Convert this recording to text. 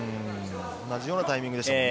同じようなタイミングでしたもんね。